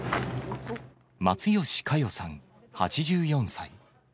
松好香代さん８４歳。